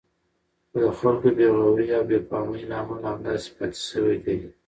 خو د خلکو بې غورئ او بې پامۍ له امله همداسې پاتې شوی دی.